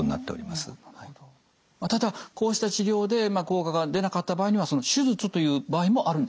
まあただこうした治療で効果が出なかった場合には手術という場合もあるんですか？